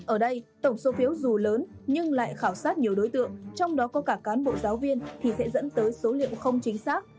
ở đây tổng số phiếu dù lớn nhưng lại khảo sát nhiều đối tượng trong đó có cả cán bộ giáo viên thì sẽ dẫn tới số liệu không chính xác